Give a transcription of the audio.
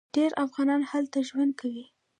ډیر افغانان هلته ژوند کوي.